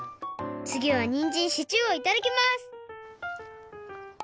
つぎはにんじんシチューをいただきます！